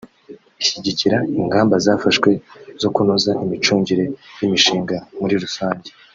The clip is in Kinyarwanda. ishyigikira ingamba zafashwe zo kunoza imicungire y’imishinga muri rusange